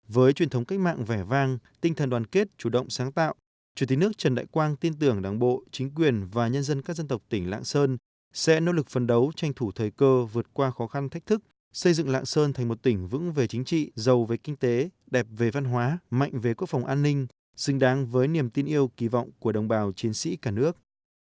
với truyền thống cách mạng vẻ vang tinh thần đoàn kết chủ động sáng tạo chủ tịch nước trần đại quang tin tưởng đảng bộ chính quyền và nhân dân các dân tộc tỉnh lạng sơn sẽ nỗ lực phấn đấu tranh thủ thời cơ vượt qua khó khăn thách thức xây dựng lạng sơn thành một tỉnh vững về chính trị giàu về kinh tế đẹp về văn hóa mạnh về quốc phòng an ninh xứng đáng với niềm tin yêu kỳ vọng của đồng bào chiến sĩ cả nước